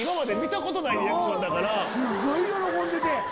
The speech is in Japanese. すごい喜んでて。